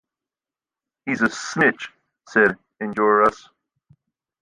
He’s a snitch”, said Enjolras.